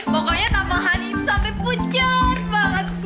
pokoknya tampang hany itu sampe pucat banget